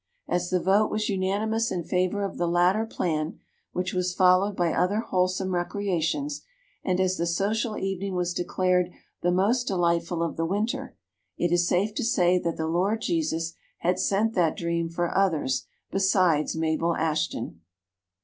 As the vote was unanimous in favor of the latter plan, which was followed by other wholesome recreations, and as the social evening was declared the most delightful of the winter, it is safe to say that the Lord Jesus had sent that dream for others besides Mabel Ashton.